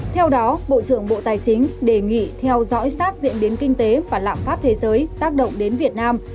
theo đó bộ trưởng bộ tài chính đề nghị theo dõi sát diễn biến kinh tế và lạm phát thế giới tác động đến việt nam